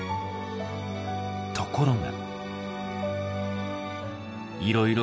ところが。